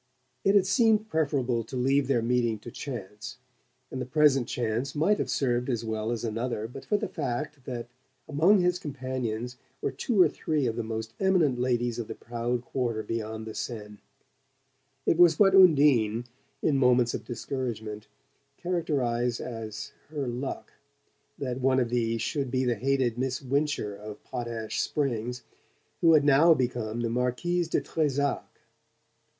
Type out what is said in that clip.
It had seemed preferable to leave their meeting to chance and the present chance might have served as well as another but for the fact that among his companions were two or three of the most eminent ladies of the proud quarter beyond the Seine. It was what Undine, in moments of discouragement, characterized as "her luck" that one of these should be the hated Miss Wincher of Potash Springs, who had now become the Marquise de Trezac.